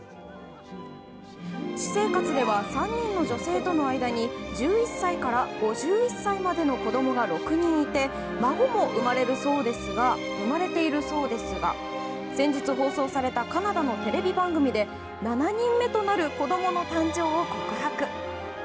私生活では、３人の女性との間に１１歳から５１歳までの子供が６人いて孫も生まれているそうですが先日放送されたカナダのテレビ番組で７人目となる子供の誕生を告白。